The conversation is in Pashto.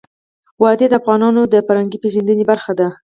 وادي د افغانانو د فرهنګي پیژندنې برخه ده.